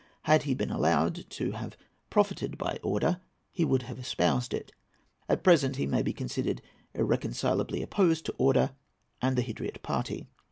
Had he been allowed to have profited by order, he would have espoused it. At present he may be considered irreconcilably opposed to order and the Hydriot party.